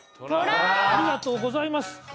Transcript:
ありがとうございます。